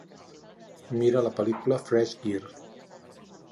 Mira la pel·lícula Fresh Gear.